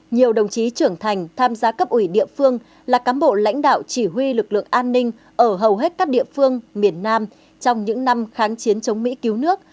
nhiều đồng chí trưởng thành tham gia cấp ủy địa phương là cán bộ lãnh đạo chỉ huy lực lượng an ninh ở hầu hết các địa phương miền nam trong những năm kháng chiến chống mỹ cứu nước